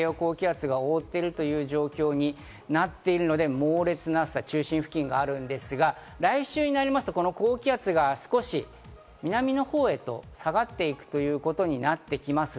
今年の異例の暑さというのが日本付近を太平洋高気圧が覆っているという状況になっているので、猛烈な中心付近があるんですが、来週になると、この高気圧が南のほうへと下がっていくということになってきます。